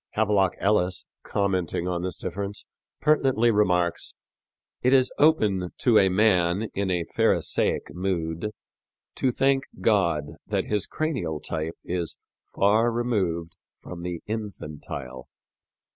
Havelock Ellis, commenting on this difference, pertinently remarks, "It is open to a man in a Pharisaic mood to thank God that his cranial type is far removed from the infantile.